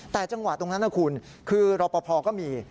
แต่จังหวะตรงนั้นนะคุณคือรอปภก็มี